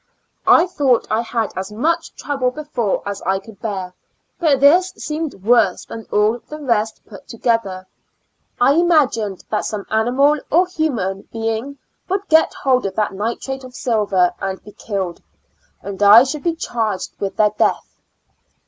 I thought I had as much trouble before as I could bear, but this seemed worse than all the rest put together; I imagined that some animal or human being would get hold of that nitrate of silver and be killed, and I should be charged with their death.